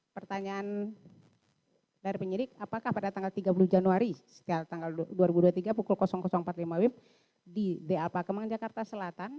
pertanyaan dari penyidik apakah pada tanggal tiga puluh januari setiap tanggal dua ribu dua puluh tiga pukul empat puluh lima wib di dapa kemang jakarta selatan